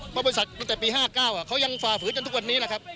เพราะบริษัทตั้งแต่ปี๕๙เขายังฝ่าฝืนจนทุกวันนี้แหละครับ